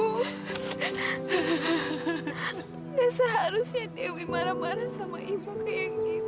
nggak seharusnya dewi marah marah sama ibu kayak gitu